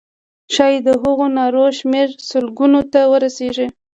ښایي د هغو نارو شمېر سلګونو ته ورسیږي.